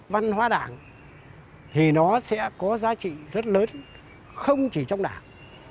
văn hóa đảng thì nó sẽ có giá trị rất lớn không chỉ trong đảng